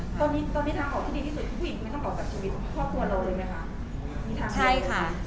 ผู้หญิงไม่ต้องเก่ากับชีวิตพ่อตัวเราเลยไหมคะ